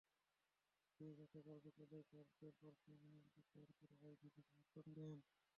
এদিকে গতকাল বিকেলেই জাসদের প্রার্থী মনোনয়ন প্রত্যাহার করে আইভীকে সমর্থন দেন।